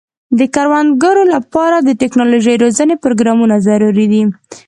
د کروندګرو لپاره د ټکنالوژۍ روزنې پروګرامونه ضروري دي.